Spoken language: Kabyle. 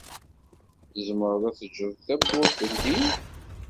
Tzemreḍ ad teǧǧeḍ tawwurt teldi?